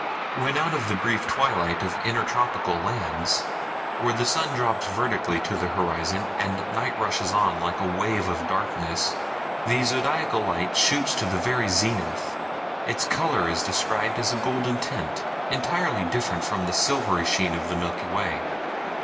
When out of the brief twilight of intertropical lands, where the sun drops vertically to the horizon and night rushes on like a wave of darkness, the Zodiacal Light shoots to the very zenith, its color is described as a golden tint, entirely different from the silvery sheen of the Milky Way.